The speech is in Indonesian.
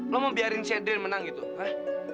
lo mau biarin si hadrian menang gitu hah